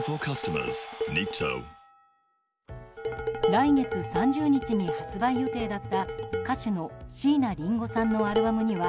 来月３０日に発売予定だった歌手の椎名林檎さんのアルバムには